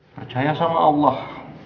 percaya sama allah